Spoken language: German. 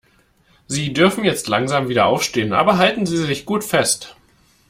Sie dürfen jetzt langsam wieder aufstehen, aber halten Sie sich gut fest.